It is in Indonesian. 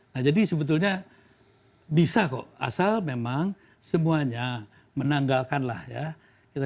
nah jadi sebetulnya bisa kok asal memang semuanya menanggalkanlah ya